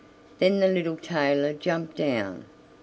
Then the little tailor jumped down.